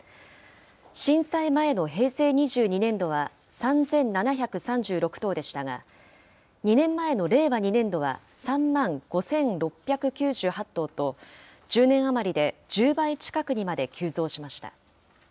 震災前の平成２２年度は３７３６頭でしたが、２年前の令和２年度は３万５６９８頭と、１０年余りで１０倍近くにまで急増しました。